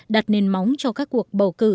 đặt nền móng cho các cuộc bầu cử